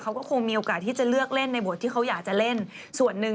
เขาก็คงมีโอกาสที่จะเลือกเล่นในบทที่เขาอยากจะเล่นส่วนหนึ่ง